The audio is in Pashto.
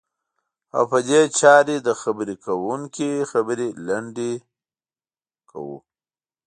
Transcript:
او په دې چارې د خبرې کوونکي خبرې لنډی ز کوو.